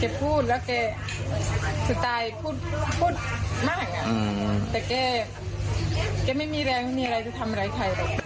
พูดแล้วแกสไตล์พูดพูดมากแต่แกไม่มีแรงไม่มีอะไรจะทำอะไรใครหรอก